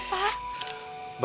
ngapain naura ke jakarta pak